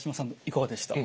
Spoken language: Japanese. いかがでした？